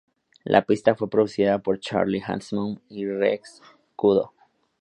La pista fue producida por Charlie Handsome y Rex Kudo.